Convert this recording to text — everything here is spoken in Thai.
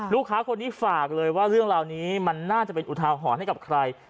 ลูกค้าคนนี้ฝากเลยว่าเรื่องราวนี้มันน่าจะเป็นอุทาหรณ์ให้กับใคร